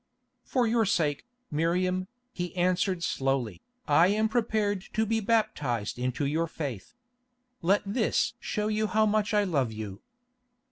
"For your sake, Miriam," he answered slowly, "I am prepared to be baptised into your faith. Let this show you how much I love you."